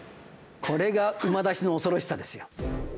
これが馬出しの恐ろしさですよ。